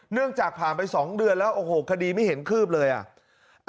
จากผ่านไป๒เดือนแล้วโอ้โหคดีไม่เห็นคืบเลยอ่ะ